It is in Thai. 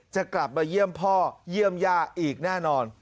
จะกลับมาเยี่ยมพ่อเยี่ยมย่าอีกแน่นอน